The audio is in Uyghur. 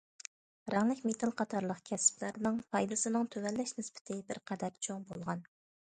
رەڭلىك مېتال قاتارلىق كەسىپلەرنىڭ پايدىسىنىڭ تۆۋەنلەش نىسبىتى بىر قەدەر چوڭ بولغان.